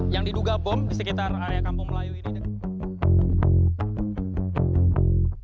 yang diduga bom di sekitar area kampung melayu ini